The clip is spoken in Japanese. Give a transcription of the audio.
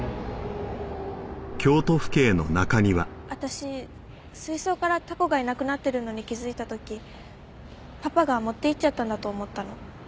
私水槽からタコがいなくなってるのに気づいた時パパが持っていっちゃったんだと思ったの。